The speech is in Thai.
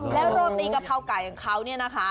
แล้วโรตีกะเพราไก่ของเขาเนี่ยนะคะ